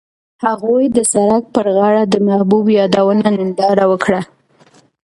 هغوی د سړک پر غاړه د محبوب یادونه ننداره وکړه.